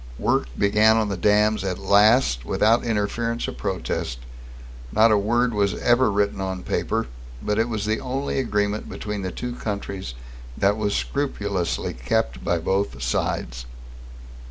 Work began on the dams at last, without interference or protest. Not a word was ever written on paper, but it was the only agreement between the two countries that was scrupulously kept by both sides.